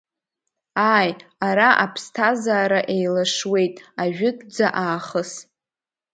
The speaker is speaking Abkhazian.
Ааи, ара аԥсҭазаара еилашуеит ажәытәӡа аахыс!